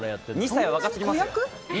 ２歳は若すぎます。